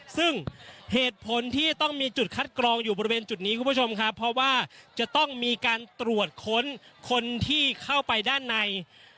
ซึ่งเหตุผลที่ต้องมีจุดคัดกรองอยู่บริเวณจุดนี้คุณผู้ชมครับเพราะว่าจะต้องมีการตรวจค้นคนที่เข้าไปด้านใน